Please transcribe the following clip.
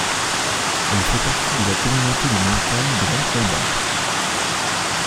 Elle fait partie de la communauté de montagne Grand-Combin.